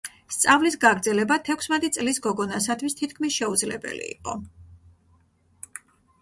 სწავლის გაგრძელება თექვსმეტი წლის გოგონასათვის თითქმის შეუძლებელი იყო.